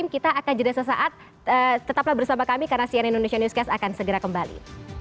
jadi kita akan jadi sesaat tetaplah bersama kami karena cnn indonesia newscast akan segera kembali